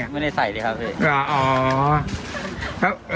ไม่ใส่ดิครับพี่